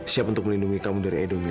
siap untuk melindungi kamu dari edo mila